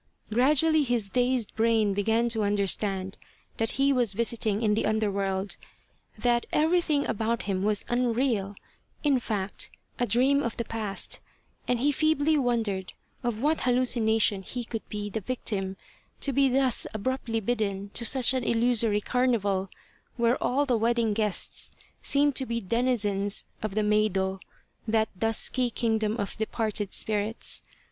Gradually his dazed brain began to understand that he was visiting in the underworld, that everything about him was unreal in fact, a dream of the past and he feebly wondered of what hallucination he could be the victim to be thus abruptly bidden to such an illusory carnival, where all the wedding guests seemed to be denizens of the Meido, that dusky kingdom of de parted spirits